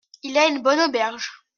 Il y a une bonne auberge.